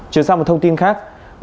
trước sau một thông tin khác